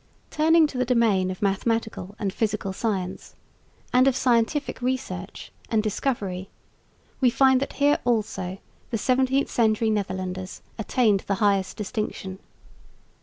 Turning to the domain of mathematical and physical science and of scientific research and discovery, we find that here also the 17th century Netherlanders attained the highest distinction.